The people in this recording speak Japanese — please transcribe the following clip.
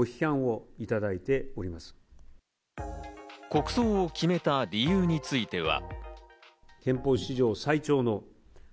国葬を決めた理由については。